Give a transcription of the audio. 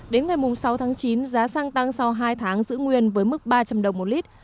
đến ngày sáu tháng chín giá xăng tăng sau hai tháng giữ nguyên với mức ba trăm linh đồng một lít